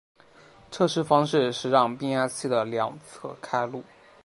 测试方式是让变压器的二次侧开路。